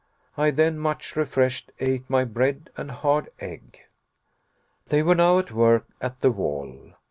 I then, much refreshed, ate my bread and hard egg. They were now at work at the wall.